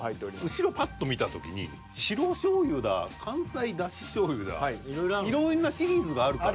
後ろパッと見た時に白しょうゆだ関西だししょうゆだいろんなシリーズがあるから。